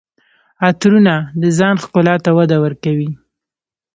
عطرونه د ځان ښکلا ته وده ورکوي.